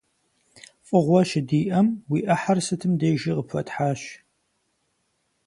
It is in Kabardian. ФӀыгъуэ щыдиӀэм, уи Ӏыхьэр сытым дежи къыпхуэтхьащ.